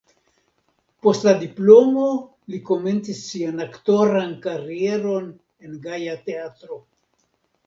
Post la diplomo li komencis sian aktoran karieron en Gaja Teatro.